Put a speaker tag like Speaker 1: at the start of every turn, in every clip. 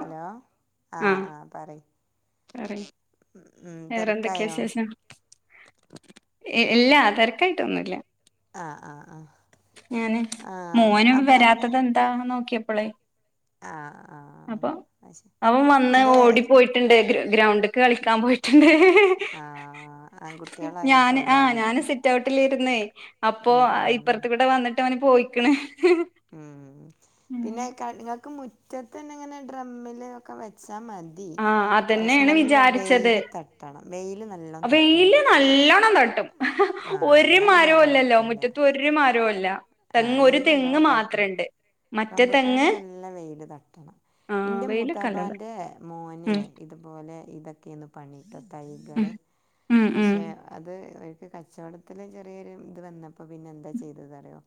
Speaker 1: Hello ആഹ് ആഹ് പറയ്
Speaker 2: പറയ്
Speaker 1: ഉം ഉം
Speaker 2: വേറെന്തൊക്കെയാ
Speaker 1: തെരക്കായോ
Speaker 2: വിശേഷം ഇല്ല തെരക്കായിട്ടൊന്നുല്ല
Speaker 1: ആഹ് ആഹ് ആഹ്
Speaker 2: ഞാന് മോന് ന്ന്
Speaker 1: അങ്ങനെ
Speaker 2: വരാത്തത് എന്താണ് നോക്കിയപ്പളെ
Speaker 1: ആഹ് ആഹ്
Speaker 2: അപ്പൊ അവൻ വന്ന് ഓടി പോയിട്ടുണ്ട് ഗ്രര ഗ്രൗണ്ട്ക്ക് കളിക്കാൻ പോയിട്ടുണ്ട്
Speaker 1: ആഹ് ആൺകുട്ടികളായാ സ്വാഭാവികം
Speaker 2: റ്റൗട്ട്ലിരുന്നേ അപ്പൊ
Speaker 1: ഉം ഉം
Speaker 2: ഇപ്പുറത്ത് കൂടെ വന്നിട്ട് അവന് പോയിക്ക്ണ്
Speaker 1: ഉം പിന്നെ ക ഇങ്ങൾക്ക് മുറ്റത്തന്നെ ഇങ്ങനെ ഡ്രമ്മില് ഒക്കെ വെച്ചാ മ തി
Speaker 2: ആഹ്
Speaker 1: പക്ഷെ
Speaker 2: അതന്നെയാണ്
Speaker 1: നല്ല
Speaker 2: വിചാരിച്ചത്
Speaker 1: വെയില് തട്ടണം വെയില് നല്ലോ തട്ടണം
Speaker 2: വെയില് നല്ലോണം തട്ടും
Speaker 1: ആ
Speaker 2: ഒര്
Speaker 1: എന്നാൽ പിന്നെ
Speaker 2: മരോല്ലല്ലോ മുറ്റത്ത്
Speaker 1: കുഴപ്പമില്ല
Speaker 2: ഒര് മാരോ ല്ല തെങ്ങ് ഒരു തെങ്ങ് മാത്രണ്ട് മറ്റേ
Speaker 1: റബുട്ടാന്
Speaker 2: തെങ്ങ്
Speaker 1: ക്കെ നല്ല വെയില് തട്ടണം
Speaker 2: ആ
Speaker 1: ഇന്റെ
Speaker 2: വെയിലൊക്കെല്ലണ്ട്
Speaker 1: മൂത്താപ്പാന്റെ മോനെ
Speaker 2: ഉം
Speaker 1: ഇതുപോലെ ഇതൊക്കെ ന്നു പണി ത തൈകൾ
Speaker 2: ഉം ഉം ഉം
Speaker 1: പക്ഷേ അത് കച്ചോടത്തില് ചെറിയൊരു ഇത് വന്നപ്പം പിന്നെ എന്താ ചെയ്തത് അറിയോ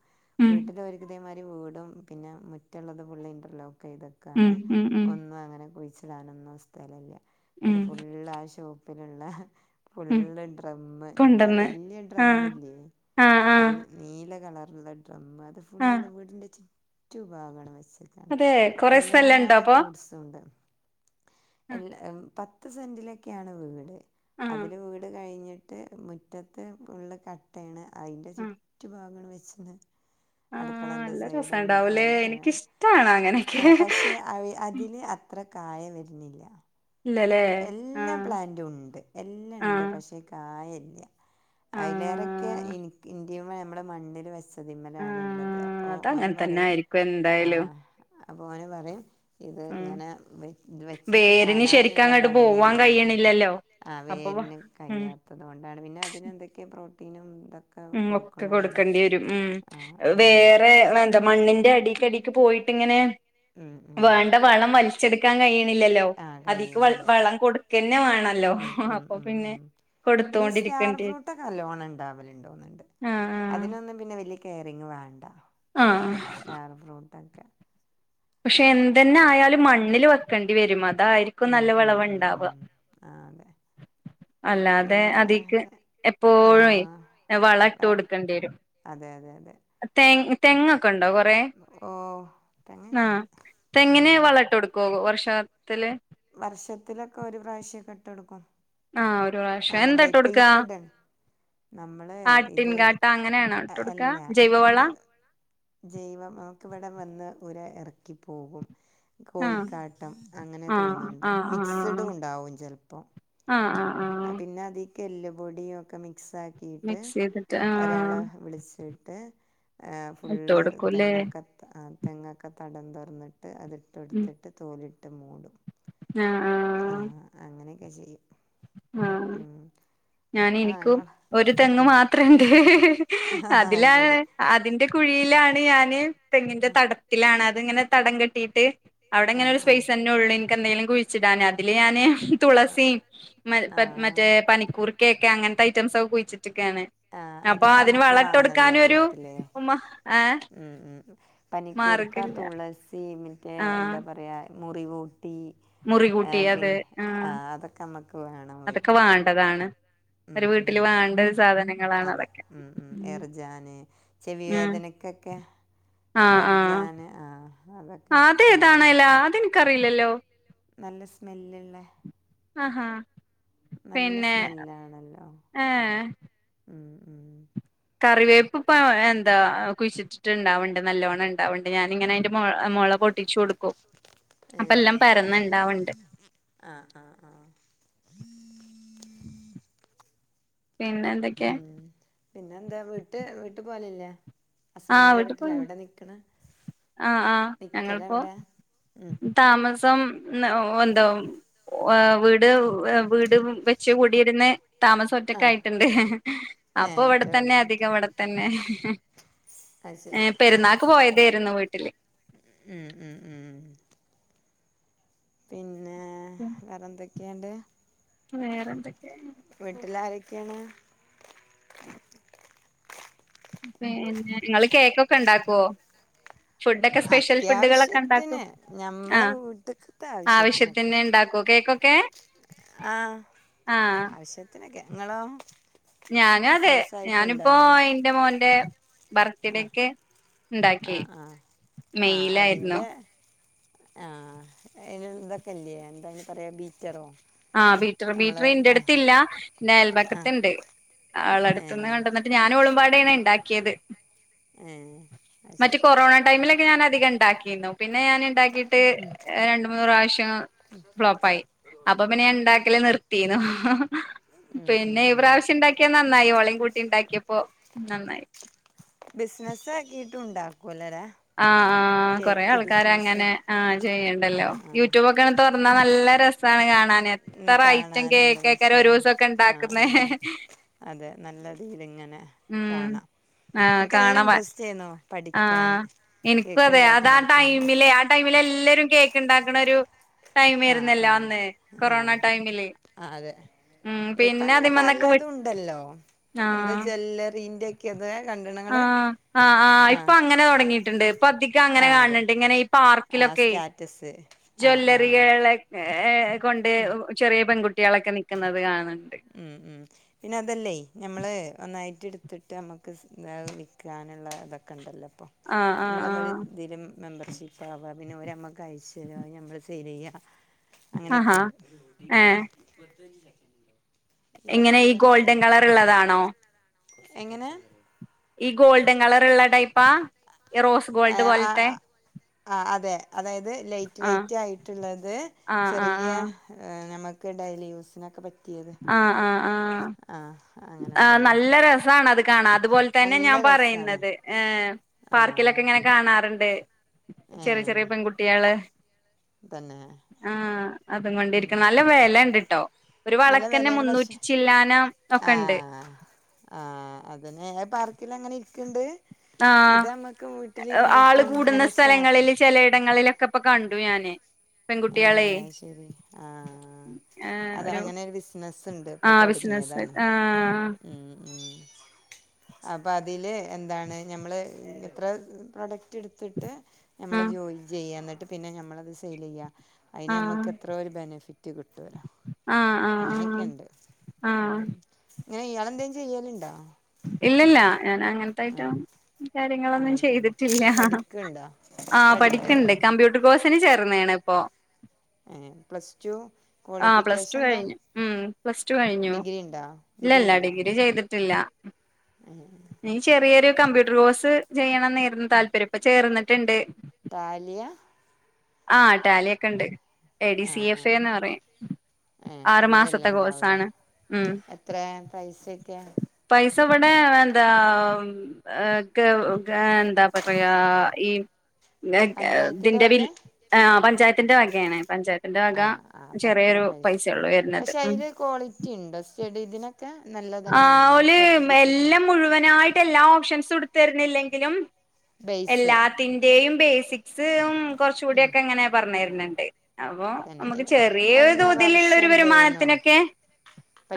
Speaker 2: ഉം
Speaker 1: വീട്ടില് ഓര്ക് ഇതേമാരി വീടും പിന്നെ മുറ്റള്ളത് ഫുള്ള് ഇന്റർലോക്കയ്ത
Speaker 2: ഉം
Speaker 1: ക്കാണ്
Speaker 2: ഉം ഉം
Speaker 1: ഒന്നു അങ്ങനെ കുയ്ച്ചിടാനൊന്നും സ്ഥലല്ല
Speaker 2: ഉം
Speaker 1: ന്നട്ട് ഫുള്ള് ആ ശേ പ്പ്ല് ള്ളെ
Speaker 2: ഉം
Speaker 1: ഫുള്ള് ഡ്രമ്മ് ഞമ്മളെ
Speaker 2: കൊണ്ടന്ന്
Speaker 1: വലിയ
Speaker 2: ആ
Speaker 1: ഡ്രമ്മില്ലേ
Speaker 2: ആ ആ
Speaker 1: അത് നീല കളറുള്ള ഡ്രമ്മ് അത്
Speaker 2: ആ
Speaker 1: ഫുള്ള് വീടിന്റെ ചു റ്റു ഭാഗണ്ട് വെച്ചക്കാണ്
Speaker 2: അതെ കൊറെ
Speaker 1: എല്ലാ
Speaker 2: സ്ഥലം ഉണ്ടോ അപ്പൊ
Speaker 1: ഫ്രൂട്ട്സ് ഉം ണ്ട്
Speaker 2: ആ
Speaker 1: എല്ല പത്ത് സെന്റിലൊക്കെയാണ് വീട്
Speaker 2: ആ
Speaker 1: അതില് വീട് കഴിഞ്ഞിട്ട് മുറ്റത്ത് ഫുള്ള് കട്ടേണ് അയ്ന്റെ
Speaker 2: ആ
Speaker 1: ചു റ്റുഭാഗം ണ് വെച്ച്ണ് അടുക്കളൻ്റെ സൈഡും
Speaker 2: ലേ
Speaker 1: സൈഡ്
Speaker 2: എനിക്കിഷ്ടാണ് അങ്ങനെക്കെ
Speaker 1: അവി അതില് അത്ര കായ വര്ണില്ല
Speaker 2: ഇല്ലല്ലേ
Speaker 1: പ്
Speaker 2: ആ
Speaker 1: എല്ലാം പ്ലാന്റും ഉണ്ട് എല്ലാം
Speaker 2: ആ
Speaker 1: ണ്ട് പക്ഷേ കായഇല്ല
Speaker 2: ആ
Speaker 1: അയ്ലേറേക്കെ ഇനിക്ക് ഇന്റീമെ നമ്മടെ മണ്ണില് വെച്ച
Speaker 2: ആ
Speaker 1: തിമ്മലാണ്ള്ളത് അപ്പൊ ഓന്
Speaker 2: അതങ്ങനെ തന്നെ
Speaker 1: പറയും
Speaker 2: ആയിരിക്കും എന്തായാലും
Speaker 1: ആഹ് അപ്പൊ ഓന് പറയും ഇത്
Speaker 2: ഉം
Speaker 1: ഇങ്ങന മെ ത് വെച്ചിട്ട്
Speaker 2: വേരിന്
Speaker 1: കാണാ-
Speaker 2: ശരിക്കും
Speaker 1: നുള്ള
Speaker 2: അങ്ങോട്ട് പോവാൻ
Speaker 1: ഭംഗിയേള്ളൂ
Speaker 2: കഴിയണില്ലല്ലോ
Speaker 1: ആഹ്
Speaker 2: അപ്പൊ
Speaker 1: വേര്ന്
Speaker 2: ഉം
Speaker 1: കയ്യാ ത്തതുകൊണ്ടാണ് പിന്നെ അതിനെന്തൊക്കെ പ്രോട്ടീനും തൊ
Speaker 2: ഉം ഒക്കെ കൊടുക്കേണ്ടി വരും
Speaker 1: ആഹ് അതാണ്
Speaker 2: ഉംവേറെ മണ്ണിന്റെ അടീക്കടീക്ക് പോയിട്ട്ങ്ങനെ
Speaker 1: ഉം ഉം
Speaker 2: വേണ്ട വളം വലി ച്ചെടുക്കാൻ കഴിയണില്ലല്ലോ
Speaker 1: ആഹ്
Speaker 2: അതിക്ക് വൾ
Speaker 1: കഴിയണില്ല
Speaker 2: വളം കൊടുക്കെന്നെ വേണോലോ
Speaker 1: ഉം ഉം
Speaker 2: അപ്പൊ
Speaker 1: ഉം
Speaker 2: പിന്നെ കൊടുത്തോണ്ടിരിക്കേണ്ടിവ -
Speaker 1: നല്ലോണണ്ടാവല്ണ്ടോന്ന്ണ്ട്
Speaker 2: ആഹ്
Speaker 1: അതിനൊന്നും പിന്നെ വലിയ കെയറിങ്ങ് വേണ്ട
Speaker 2: ആഹ്
Speaker 1: സ്റ്റാർ ഫ്രൂട്ടൊക്കെ
Speaker 2: പക്ഷെ എന്തെന്നെ ആയാലും മണ്ണില് വെക്കെണ്ടി വരും അതായിരിക്കും
Speaker 1: ഉം
Speaker 2: നല്ല
Speaker 1: ഉം ഉം
Speaker 2: വെളവ്ണ്ടാവ.
Speaker 1: ഉം ആഹ് അതെ
Speaker 2: അല്ലാതെ
Speaker 1: പിന്നെ
Speaker 2: അതീക്ക്
Speaker 1: എപ്പോഴുവേ
Speaker 2: എപ്പോഴുവെ വളട്ട്
Speaker 1: വേറെ
Speaker 2: കൊടുക്കേണ്ടിവരും
Speaker 1: അതെ അതെ അതെ
Speaker 2: തെങ്ങ് തെങ്ങൊക്കെണ്ടോ കൊറെ
Speaker 1: ഓഹ്
Speaker 2: ആഹ്
Speaker 1: തെങ്ങൊക്കണ്ട് ഉം
Speaker 2: തെങ്ങിന് വളട്ട് കൊടുക്കോ വർഷത്തില്
Speaker 1: വർഷത്തിലൊക്കെ ഒരു പ്രാവശ്യൊക്കിട്ടൊടുക്കും
Speaker 2: ആഹ് ഒരു പ്രാവശ്യം
Speaker 1: ആണല്ലേ
Speaker 2: എന്താട്ട്
Speaker 1: ഇപ്പൊ
Speaker 2: കൊടുക്കാ
Speaker 1: ഇപ്പടൻ നമ്മളെ
Speaker 2: ആട്ടിൻ
Speaker 1: ഇത്
Speaker 2: കാട്ട അങ്ങനെയാണോ
Speaker 1: അ
Speaker 2: ഇട്ട് കൊടുക്കാ
Speaker 1: അല്ല
Speaker 2: ജൈവവള
Speaker 1: നമ്മള് ജൈവം നമുക്കിവ്ടെ വന്ന് ഓര് എറക്കിപ്പോകും
Speaker 2: ആഹ്
Speaker 1: കോയിക്കാട്ടം അങ്ങനെ
Speaker 2: ആഹ്
Speaker 1: തോന്ന്ണ്ട്
Speaker 2: ആഹ് ആഹ്
Speaker 1: മിക്സ്ഡുണ്ടാവും ചെലപ്പൊ
Speaker 2: ആഹ് ആഹ് ആഹ്
Speaker 1: ആഹ് പിന്നതീക്കെല്ല് പൊടിയൊക്കെ മിക്സാക്കിയിട്ട്
Speaker 2: മിക്സ് ചെയ്തിട്ട്
Speaker 1: ഒരാളെ
Speaker 2: ആഹ്
Speaker 1: വിളിച്ചിട്ട് ഏഹ്
Speaker 2: ഇട്ട്
Speaker 1: ഫുള്ള്
Speaker 2: കൊടുക്കൂല്ലേ
Speaker 1: തെങ്ങൊക്ക- ആഹ് തെങ്ങൊക്ക തടം തൊറന്നിട്ട്
Speaker 2: ഉം
Speaker 1: അതിട്ടൊടുത്തിട്ട് തോലിട്ട് മൂടും
Speaker 2: ആഹ് ആഹ്
Speaker 1: ആഹ് അങ്ങനേക്കെ ചെയ്യും
Speaker 2: ആഹ്
Speaker 1: ഉം ആ
Speaker 2: ഞാനെനിക്കും
Speaker 1: ഞങ്ങൾ
Speaker 2: ഒരു തെങ്ങ്
Speaker 1: ഉം
Speaker 2: മാത്രണ്ട്
Speaker 1: ആ അത്
Speaker 2: അതിലാണ്
Speaker 1: ശരി
Speaker 2: അതിന്റെ- കുഴിയിലാണ് ഞാന് തെങ്ങിന്റെ തടത്തിലാണ് അതിങ്ങനെ തടം കെട്ടിയിട്ട്-
Speaker 1: ആ
Speaker 2: അവിടങ്ങനെ ഒരു
Speaker 1: ആ
Speaker 2: സ്പൈസന്നെള്ളൂ ഇൻക്കെന്തേലും കുഴിച്ചിടാന് അതില് ഞാന് തുളസീം മൽ
Speaker 1: ആ
Speaker 2: പ മറ്റേ പനിക്കൂർകേക്കെ അങ്ങനത്തെ ഐറ്റംസൊക്കെ കുയ്ച്ചിട്ട്ക്കാണ്
Speaker 1: ആഹ് അതൊക്കമ്മുക്ക് വാണല്ലൊ വീട്ടില്
Speaker 2: ഉമ്മ ഏ
Speaker 1: ഉം ഉം ഉം പനിക്കൂർക്ക
Speaker 2: മാർഗില്ല
Speaker 1: തുളസി മറ്റേ
Speaker 2: ആ
Speaker 1: എന്താ പറയ മുറികൂട്ടി
Speaker 2: മുറികൂട്ടി
Speaker 1: ഏഹ്
Speaker 2: അതെ
Speaker 1: പിന്നെ
Speaker 2: ആ
Speaker 1: അ അതൊക്കമ്മക്ക് വേണം വീട്ടില്
Speaker 2: അതാണ്
Speaker 1: ഉം
Speaker 2: ഒരു
Speaker 1: ഉം
Speaker 2: വീട്ടിൽ വേണ്ട സാധനങ്ങളാണ് അതൊക്കെ
Speaker 1: ജാന് ചെവി വേദനക്കൊക്കെ എർജാന് ആഹ് അതൊക്കെ നല്ലതാ
Speaker 2: ആതേതാണെല അതെനിക്കറിയില്ലല്ലോ
Speaker 1: നല്ല സ്മെല്ലുള്ളെ
Speaker 2: ആഹാ
Speaker 1: നല്ല
Speaker 2: പിന്നെ
Speaker 1: സ്മെല്ലാണല്ലോ
Speaker 2: ഏഹ്
Speaker 1: ഉം ഉം
Speaker 2: കറിവേപ്പ് ഇപ്പ എന്താ കുഴിച്ചിട്ട്ട്ട് ഇണ്ടാവ്ണ്ട് നല്ലോണ്ണം ഇണ്ടാവ്ണ്ട് ഞാനിങ്ങനെ അയിന്റെ മൊ മൊള പൊട്ടിച്ച് കൊടുക്കും അപ്പം
Speaker 1: ഏഹ്
Speaker 2: എല്ലാം
Speaker 1: അത്
Speaker 2: പരന്ന്
Speaker 1: ശരി
Speaker 2: ഇണ്ടാവ്ണ്ട്.
Speaker 1: ആഹ്, ആഹ്, ആഹ്
Speaker 2: പിന്നെന്ത്
Speaker 1: ഉം, പിന്നെ എന്താ വീട്ട് വീട്ട് പോവലില്ലേ?
Speaker 2: ആഹ്
Speaker 1: ഹസ്ബൻഡിന്റെ
Speaker 2: വീട്ടി
Speaker 1: വീട്ടില
Speaker 2: പോയിന്
Speaker 1: അവിടെ നിക്ക്ണ്?
Speaker 2: ആഹ്, ആഹ് ഞങ്ങളിപ്പോ ഉം താമസംന്ന് ഓഹ് എന്തോ ഓഹ് വീട് വീ ട് വെച്ച് കൂടിര്ന്ന് താമസം
Speaker 1: ആ
Speaker 2: ഒറ്റക്കായിട്ടുണ്ട് ഹെ ഹെ ഹെ
Speaker 1: ഏ
Speaker 2: അപ്പൊ
Speaker 1: ഒറ്റ
Speaker 2: ഇവിടെത്തന്നെ അധികം
Speaker 1: വീടായിട്ടുണ്ട്
Speaker 2: ഇവിടെത്തന്നെ ഹെ ഹെ
Speaker 1: അത് ശരി
Speaker 2: ഏഹ് പെരുന്നാക്ക് പോയതേര്ന്നു വീ
Speaker 1: ഉം ഉം ഉം പിന്നെ വേറെ എന്തൊക്കെണ്ട്?
Speaker 2: വേറെ എന്തൊക്കെ?
Speaker 1: വീട്ടിലാരൊക്കെയാണ്?
Speaker 2: പിന്നെ ഇങ്ങള് കേക്കൊക്കെ ഇണ്ടാക്കോ? ഫുഡൊക്കെ
Speaker 1: [inaudible]
Speaker 2: സ്പെഷ്യൽ ഫുഡുകളൊക്കെ ഇണ്ടാക്കോ?
Speaker 1: അത്യാവശ്യത്തിന് ഞമ്മളെ
Speaker 2: ആഹ്
Speaker 1: വീട്ട്ക്ക്‌ത്തെ ആവശ്യത്തിനൊക്കെ
Speaker 2: ആവശ്യത്തിന് ഇണ്ടാക്കോ കേക്കൊക്കെ?
Speaker 1: ആഹ്,
Speaker 2: ആഹ്
Speaker 1: ആവശ്യത്തിനൊക്കെ ഇങ്ങളോ?
Speaker 2: ഞാനു അതെ ഞാനിപ്പോ എന്റെ മോന്റെ
Speaker 1: ആ
Speaker 2: ബർത്ത്ഡേക്ക്
Speaker 1: ആ
Speaker 2: ഇണ്ടാക്കി
Speaker 1: ആ
Speaker 2: മെയ്യിലായിരുന്നു.
Speaker 1: ആഹ് ഏഹ് ഇതൊക്കെല്ല്യേ എന്താ അയിന് പറയ് ബീറ്ററോ?
Speaker 2: ആഹ്, ബീറ്ററ്,
Speaker 1: നമ്മൾ
Speaker 2: ബീറ്ററ് ഇന്റെ
Speaker 1: ആ
Speaker 2: അടുത്ത് ഇല്ല ഇന്റെ
Speaker 1: ആ
Speaker 2: അയൽപക്കത്ത്ണ്ട്
Speaker 1: ഏ
Speaker 2: അവളടുത്ത്ന്ന് കൊണ്ടന്ന് ഞാനും ഓളും പാടെയാണ് ഇണ്ടാക്കിയത്.
Speaker 1: ഏ അത്
Speaker 2: മറ്റ്
Speaker 1: ശരി
Speaker 2: കൊറോണ ടൈമിലൊക്കെ ഞാനധികം ഇണ്ടാക്കീന്നു. പിന്നെ ഞാന് ഇണ്ടാക്കിട്ട്
Speaker 1: ഉം,
Speaker 2: ഏഹ് രണ്ട് മൂന്ന് പ്രാവശ്യം ഫ്ലോപ്പ് ആയി, അപ്പ പിന്നെ ഞാൻ ഇണ്ടാ ക്കല് നിർത്തീനു ഹ് ഹ്
Speaker 1: ഉം, ഉം,
Speaker 2: പിന്നെ ഈ
Speaker 1: ഉം.
Speaker 2: പ്രാവശ്യണ്ടാ ക്ക്യ നന്നായി ഓളേം കൂട്ടി ഇണ്ടാക്കിയപ്പോ നന്നായി.
Speaker 1: ബിസിനസ്സ് ആക്കിട്ടുണ്ടാക്കൂല്ലേര
Speaker 2: ആഹ്, ആഹ് കൊറേ ആൾക്കാര് അങ്ങനെ ആ
Speaker 1: ആ
Speaker 2: ചെയ്യ്ണ്ടല്ലോ
Speaker 1: ആ
Speaker 2: യൂട്യൂബൊ ക്കെണ് തൊർന്നാ നല്ല രസാണ് കാണാൻ. ന്നെ
Speaker 1: ഉം,
Speaker 2: എത്ര ഐറ്റം
Speaker 1: കാണാൻ നല്ല
Speaker 2: കേക്കെക്കാരം
Speaker 1: രസമാണ്
Speaker 2: ഒരൂസൊക്കെ
Speaker 1: ആ
Speaker 2: ഇണ്ടാക്കുന്നെ
Speaker 1: ആ
Speaker 2: ഹെ, ഹെ
Speaker 1: അതെ നല്ലതീല് ഇങ്ങനെ
Speaker 2: ഉം
Speaker 1: കാണാ.
Speaker 2: ആഹ്
Speaker 1: ഇൻക്ക് നല്ല
Speaker 2: കാണാൻ ഭ
Speaker 1: ഇൻട്രസ്റ്റേന്നു
Speaker 2: ആഹ്
Speaker 1: പഠിക്കാന് കേക്ക്ണ്ടാക്കി പഠിക്കാന്.
Speaker 2: ല്ലേ ആ ടൈമില് എല്ലരും കേക്ക് ഇണ്ടാക്ക്‌ണ ഒരു
Speaker 1: ആ
Speaker 2: ടൈമേര്ന്നല്ലോ
Speaker 1: ആ
Speaker 2: അന്ന്
Speaker 1: ആ
Speaker 2: കൊറോണ ടൈമില് ഉം
Speaker 1: ഇപ്പ
Speaker 2: പിന്നെ
Speaker 1: അങ്ങനെ
Speaker 2: അതിമന്നൊക്കെ വി
Speaker 1: പലതു ഉണ്ടല്ലോ എന്ത
Speaker 2: ആഹ്
Speaker 1: ജ്വല്ലറീന്റെക്കെത് അയ് കണ്ട്ണ ഇങ്ങള്? ആഹ്.
Speaker 2: ണ്ടിട്ട്ണ്ട് ഇപ്പ അധിക അങ്ങനെ കാണ് ണ് ണ്ട് ഇങ്ങനെ ഈ
Speaker 1: ആ
Speaker 2: പാർക്കിലൊക്കെ
Speaker 1: സ്റ്റാറ്റസ് ആ ആ
Speaker 2: ജ്വല്ലറികളെക്കെ ഏഹ് കൊണ്ട് ചെറിയ പെൺകുട്ടികളൊക്കെ നിക്ക്‌ന്നത് കാണ് ണ്ട്.
Speaker 1: ഉം ഉം പിന്നെ അതല്ലേ ഞമ്മള് ഒന്നായിട്ട് ഇട്ത്ത്ട്ട് അമ്മക്ക് സ് ഏഹ് വിക്കാന്ള്ള ഇതൊക്കെ ഇണ്ടല്ലോ ഇപ്പം.
Speaker 2: ആഹ് ആഹ്
Speaker 1: ഞമ്മളെ [unintelligible] ഒരു
Speaker 2: ആഹ്
Speaker 1: ഇതിലും മെമ്പർഷിപ്പാവ പിന്നെ ഓരമ്മക്ക് അയച്ച് തരും അത് ഞമ്മള് സെയില് ചെയ്യാ
Speaker 2: ആഹാ
Speaker 1: അങ്ങനെക്കെയിണ്ട്
Speaker 2: ഏഹ് എങ്ങനെ ഈ ഗോൾഡൻ കളർ ഇള്ളതാണോ?
Speaker 1: എങ്ങനെ?
Speaker 2: ഈ ഗോൾഡൻ കളറ്ള്ള ടൈപ്പാ? ഈ റോസ് ഗോൾഡ് പോലത്തെ?
Speaker 1: ആഹ് അതെ അതായത് ലൈറ്റ്
Speaker 2: ആഹ്
Speaker 1: വെയിറ്റ് ആയിട്ട്ള്ളത്
Speaker 2: ആഹ് ആഹ്
Speaker 1: ചെറിയ ഏഹ് നമക്ക് ടെയ്ലി യൂസിനൊക്കെ പറ്റിയത്
Speaker 2: ആഹ് ആഹ്
Speaker 1: ആ അങ്ങനെ
Speaker 2: ആഹ്
Speaker 1: ഉണ്ടല്ലോ
Speaker 2: നല്ല രസാണത് കാണാൻ അതുപോലെ തന്നെ
Speaker 1: നല്ല
Speaker 2: ഞാൻ
Speaker 1: രസാണ്
Speaker 2: പറയുന്നത് ഏഹേ പാർക്കിലൊക്കെ
Speaker 1: ആഹ്
Speaker 2: ഇങ്ങനെ കാണാറ്ണ്ട് ചെറിയ
Speaker 1: ഏഹ്
Speaker 2: ചെറിയ പെൺകുട്ടിയാള്
Speaker 1: തന്നെ?
Speaker 2: ആഹ് അതും
Speaker 1: ഉം
Speaker 2: കൊണ്ടിരിക്ക്ണ്ത് നല്ല വെല ഇണ്ട്ട്ടോ ഒരു വള
Speaker 1: നല്ല
Speaker 2: വളക്കന്നെ
Speaker 1: വെലയാണ് പക്ഷെ
Speaker 2: മുന്നൂറ്റി ചില്ലാനം ഒക്കെണ്ട്
Speaker 1: ആഹ് ആഹ് അതന്നെ ആ പാർക്കിലങ്ങനെ ഇരിക്ക്ണ്ട്?
Speaker 2: ആഹ്
Speaker 1: ഇത് നമ്മക്ക്
Speaker 2: ആള്
Speaker 1: വീട്ടിലിരുന്നിട്ടും
Speaker 2: കൂടുന്ന
Speaker 1: ഇങ്ങനെ സ്റ്റാറ്റസ്
Speaker 2: സ്ഥലങ്ങളില് ചെലയിടങ്ങളിലൊക്കെ ഇപ്പൊ കണ്ടു ഞാന് പെൺകുട്ടികളെ
Speaker 1: ഏഹേ അഹ്ശരി ആഹ്
Speaker 2: ഏഹ്
Speaker 1: അത
Speaker 2: ഒരു
Speaker 1: അങ്ങനൊരു ബിസിനസ്സ്ണ്ട് ഇപ്പൊ
Speaker 2: ആഹ് ബിസിനസ്
Speaker 1: തൊടങ്ങിയതാണ്
Speaker 2: ആഹ്
Speaker 1: ഉം ഉം അപ്പൊ അതില് എന്താണ് ഞമ്മള് എത്ര പ്രൊഡക്റ്റ് എടുത്തി ട്ട് നമ്മള്
Speaker 2: ആഹ്
Speaker 1: ജോലി ചെയ്യ എന്നിട്ട് പിന്നെ നമ്മളത് സെയിലെയ്യാ അയിന്
Speaker 2: ആഹ്
Speaker 1: നമ്മക്ക് എത്രോ ഒരു ബെനഫിറ്റ് കിട്ടുവോലോ
Speaker 2: ആഹ് ആഹ് ആഹ്
Speaker 1: അങ്ങനെക്കെയിണ്ട് ഉം
Speaker 2: ആഹ്
Speaker 1: ഇങ്ങനെ ഇയാളെന്തേം ചെയ്യല്ണ്ടോ?
Speaker 2: ഇല്ലല്ല ഞാന് അങ്ങനത്തെ ഐറ്റം കാര്യങ്ങളൊന്നും
Speaker 1: അങ്ങനത്തൊന്നും
Speaker 2: ചെയ്തിട്ടില്ല
Speaker 1: പഠിക്കുണ്ടോ
Speaker 2: ആഹ് പഠിക്ക്ണ്ട്
Speaker 1: പഠിക്കുണ്ടോ
Speaker 2: കംമ്പ്യൂട്ടർ കോഴ്സിന് ചേർന്ന്ണ് ഇപ്പൊ
Speaker 1: ഏഹ് പ്ലസ് ടു
Speaker 2: ആഹ് പ്ലസ് ടു
Speaker 1: ക്വാളിഫിക്കേഷെന്താ?
Speaker 2: കഴിഞ്ഞു ഉം പ്ലസ് റ്റു കഴിഞ്ഞു ഇല്ലല്ല ഡിഗ്രി ചെയ്തിട്ടില്ല
Speaker 1: ആഹ്
Speaker 2: എനി ചെറിയൊരു കമ്പ്യൂട്ടർ കോഴ്സ് ചെയ്യണംന്നേരുന്ന താല്പര്യം ഇപ്പം ചേർന്നിട്ട്ണ്ട്
Speaker 1: റ്റാലിയ?
Speaker 2: ആഹ് റ്റാലിയക്കെ ഇണ്ട് എ. ഡി. സി.
Speaker 1: ആഹ്
Speaker 2: എഫ് എ.
Speaker 1: ആഹ്
Speaker 2: എന്ന് പറയും
Speaker 1: ഏഹ്
Speaker 2: ആറു മാസത്തെ കോഴ്സാണ് ഉം
Speaker 1: എത്രെയ പൈസക്കെ?
Speaker 2: പൈസ ഇവടെ എന്താ ഉം ഏഹേ കേ എന്താ പറയാ ഈ
Speaker 1: പഞ്ചായത്തിന്റെ വക
Speaker 2: [unintelligible] ആഹ് പഞ്ചായത്തിന്റെ വകയാണ് പഞ്ചായത്തിന്റെ വക
Speaker 1: ആഹ് ആഹ് അപ്പ അത്ര
Speaker 2: ചെറിയൊരു
Speaker 1: പൈസ
Speaker 2: പൈസയൊള്ളൂ വര്ണത്
Speaker 1: പക്ഷെ അയില് ക്വാളിറ്റി ഇണ്ടോ? സ്‌റ്റെഡി ഇതിനൊ ഇതിനൊക്കെ നല്ല
Speaker 2: ആഹ് ഓല് എല്ലം മുഴുവനായിട്ട് എല്ലാ ഓപ്ഷൻസും ഇടുത്തരുന്നില്ലെങ്കിലും
Speaker 1: ബേസ്
Speaker 2: എല്ലാത്തിന്റെയും ബേസിക്സ് ഉം
Speaker 1: ഉം
Speaker 2: കൊറച്ചൂടിയൊക്കെ ഇങ്ങനെ പറഞ്ഞ് തര്ന്ണ്ട് അപ്പൊ
Speaker 1: തന്നെ
Speaker 2: അമ്മക്ക്
Speaker 1: ഇവ
Speaker 2: ചെറിയ
Speaker 1: കഴിഞ്ഞ
Speaker 2: തോതിലുള്ള
Speaker 1: വർഷം
Speaker 2: ഒരു
Speaker 1: ഉണ്ടായിരുന്നു
Speaker 2: വരുമാനത്തിനൊക്കെ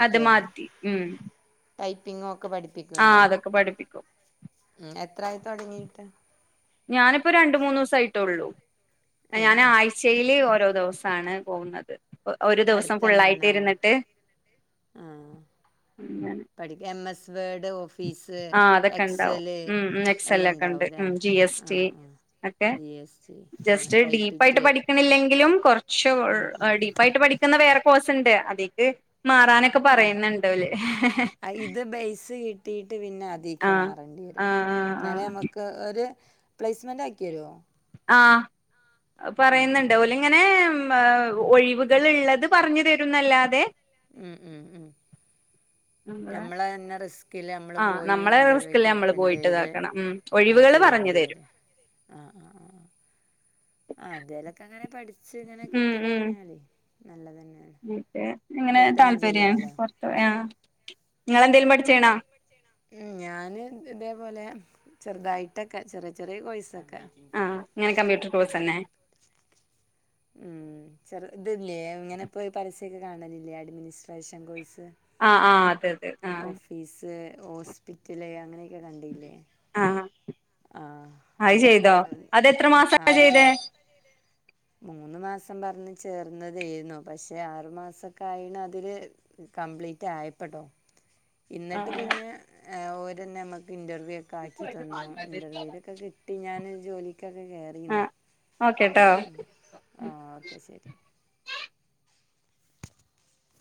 Speaker 2: അത് മതി ഉം
Speaker 1: ടൈപ്പിംഗ് ഒക്കെ പഠിപ്പി
Speaker 2: ആ അതൊക്കെ പഠിപ്പിക്കും.
Speaker 1: ഉം എത്രായി തൊടങ്ങീട്ട്
Speaker 2: ഞാനിപ്പോ രണ്ടു മൂന്നു ദിവസായിട്ടൊള്ളൂ ഞാന്
Speaker 1: ഏഹ്
Speaker 2: ആഴ് ചയിലെ ഓരോ ദിവസാണ് പോകുന്നത് ഒരു ദിവസം ഫുള്ളായിട്ട് ഇരുന്നിട്ട്.
Speaker 1: ആ
Speaker 2: അങ്ങനെ
Speaker 1: പഠിക്കാൻ എം എസ് വേഡ് ഓ
Speaker 2: ആ അതൊക്കെ ഒണ്ടാവും ഉം
Speaker 1: എല്ലാം
Speaker 2: എക്സല്ലൊക്കെ ഒണ്ട്
Speaker 1: ഉണ്ടാവൂലേ
Speaker 2: ഉം ജി എസ് റ്റി
Speaker 1: ആഹ് ആഹ്
Speaker 2: യൊക്കെ
Speaker 1: ജി എസ് ടി ആഹ്
Speaker 2: ജസ്റ്റ് ഡീപ്പായിട്ട്
Speaker 1: ടൈപ്പിറ്റ്
Speaker 2: പഠിക്കണില്ലെങ്കിലും കൊറച്ച്
Speaker 1: ആഹ് ആഹ്
Speaker 2: ഡീപ്പായിട്ട് പഠി ക്കുന്ന വേറെ കോഴ്സൊണ്ട് അതിക്ക് മാറാനൊക്കെ പറയുന്നുണ്ടോല്.
Speaker 1: ഇത് ബെയ്സ് കിട്ടിയിട്ട് പിന്നെ അ തീക്ക്
Speaker 2: ആ
Speaker 1: മാറണ്ടിവരും
Speaker 2: ആ ആ ആ
Speaker 1: എന്നാലേ നമ്മക്ക് ഒരു പ്ലേസ്‌മെന്റാക്കിവരുവോ
Speaker 2: ആ
Speaker 1: ആ
Speaker 2: പറയുന്നൊണ്ട്
Speaker 1: ആ
Speaker 2: ഓലിങ്ങനെ
Speaker 1: ഉം
Speaker 2: ഒഴിവുകളിള്ളത് പറഞ്ഞു തരുന്നല്ലാതെ.
Speaker 1: ഉം ഉം ഉം
Speaker 2: നമ്മളെ
Speaker 1: ഞമ്മളന്നെ റിസ്ക് ക്കില്
Speaker 2: ആ
Speaker 1: നമ്മളുപോയി
Speaker 2: നമ്മളെ
Speaker 1: ഇന്റർവ്യുക്കെ
Speaker 2: റിസ്കില് നമ്മള് പോയിട്ട്
Speaker 1: അറ്റൻഡുചെയ്ത്
Speaker 2: ഇതാക്കണം ഉം ഒഴിവുകള് പറഞ്ഞു
Speaker 1: ചെയ്യേണ്ടി
Speaker 2: തരും
Speaker 1: വരും. ആ ആ ആ ആ ആ എന്തെലൊക്കെ അങ്ങനെ പഠിച്ച് ഇങ്ങനെ
Speaker 2: ഉം ഉം
Speaker 1: കിട്ടികഴിഞ്ഞാലെ നല്ലതുതന്നെ
Speaker 2: എനിക്ക് ഇങ്ങനെ താല്പര്യാണ് പൊറത്തുപോയ നിങ്ങളെന്തേലും പഠി
Speaker 1: എന്തേലും പഠി ഉം ഞാനും ഇതേപോലെ ചെറുതായിട്ടൊക്കെ ചെറിയ ചെറിയ കോഴ്സൊക്കെ.
Speaker 2: ആഹ് ഇങ്ങനെ കമ്പ്യൂട്ടർ കോഴ്സുതന്നെ.
Speaker 1: ഉം ചെറു ഇതില്ലേ ഇങ്ങനെപ്പോയി പരസ്യൊക്കെ കാണലില്ലേ അഡ്മിനിസ്ട്രേഷൻ കോഴ്സ്.
Speaker 2: ആ ആ അതെ അതെ ആ
Speaker 1: ഓഫീസ് ഹോസ്പിറ്റല് അങ്ങനെയൊക്കെ കണ്ടില്ലേ
Speaker 2: ആ
Speaker 1: ആഹ്
Speaker 2: അത്
Speaker 1: അതൊക്കെ
Speaker 2: ചെയ്തോ അതെത്ര മാസാ
Speaker 1: ആ അത്ചെയ്യ്
Speaker 2: ചെയ്തേ
Speaker 1: മൂന്നുമാസം പറഞ്ഞ് ചേർന്നതേയിന്നു പക്ഷെ ആറു മാസക്കായിഞ്ഞു അതില്. കംപ്ലീറ്റ് ആയപ്പട്ടോ. ഇന്നിട്ട് പിന്നെ എ ഓര് നമ്മക്ക് ഇന്റർവ്യൂ ആക്കിതന്നു ഇൻ്റർവ്യൂയിലൊക്കെ കിട്ടി ഞാൻ ജോലിക്കൊക്കെ
Speaker 2: ആ
Speaker 1: കേറിയിന്നു.
Speaker 2: ഓക്കെട്ടോ.
Speaker 1: ഉം ആ ഓക്കെ ശെരി.